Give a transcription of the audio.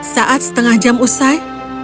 saat setengah jam usai